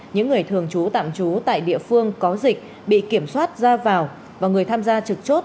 những người thường trú tạm trú tại địa phương có dịch bị kiểm soát ra vào và người tham gia trực chốt